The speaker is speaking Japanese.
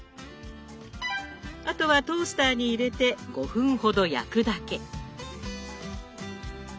あとはトースターに入れて５分ほど焼くだけ。